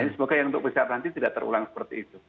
semoga yang untuk pcr nanti tidak terulang seperti itu